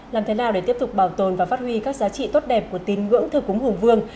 làm thế nào để tiếp tục bảo tồn và phát huy các giá trị tốt đẹp của tín ngưỡng thờ cúng hùng vương